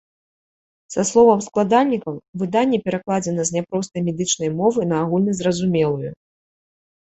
Са словаў складальнікаў, выданне перакладзена з няпростай медычнай мовы на агульназразумелую.